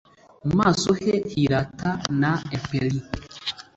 mu maso he hirata na empery;